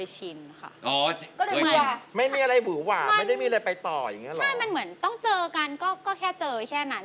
ใช่มันเหมือนต้องเจอกันก็แค่เจอแค่นั้น